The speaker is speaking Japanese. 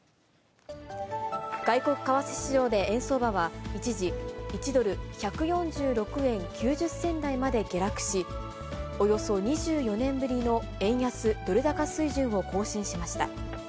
外国為替市場で円相場は一時、１ドル１４６円９０銭台まで下落し、およそ２４年ぶりの円安ドル高水準を更新しました。